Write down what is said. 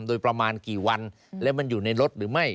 โดยประมาณกี่วันและมันอยู่ในรถหรือไม่